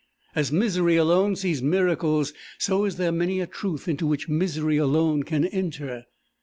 As misery alone sees miracles, so is there many a truth into which misery alone can enter.